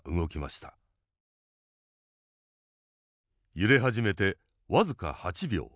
揺れ始めて僅か８秒。